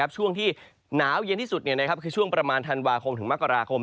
ช่วงที่หนาวเย็นที่สุดคือช่วงประมาณธันวาคมถึงมกราคม